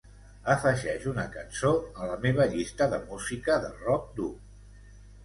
afegeix una cançó a la meva llista de música de rock dur